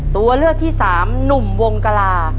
ตัวเลือกที่สามหนุ่มวงกลา